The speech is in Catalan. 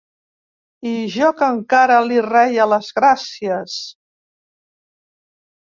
I jo que encara li reia les gràcies!